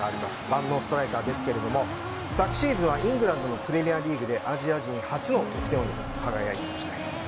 万能ストライカーですが昨シーズンはイングランドのプレミアリーグでアジア人初の得点王に輝きました。